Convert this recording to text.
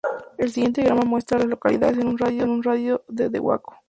El siguiente diagrama muestra a las localidades en un radio de de Waco.